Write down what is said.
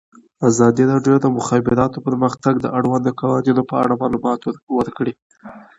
ازادي راډیو د د مخابراتو پرمختګ د اړونده قوانینو په اړه معلومات ورکړي.